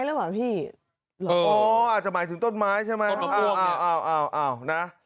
แล้วหว่าพี่อ๋ออาจจะหมายถึงต้นไม้ใช่ไหมอ้าวอ้าวอ้าวอ้าวน่ะ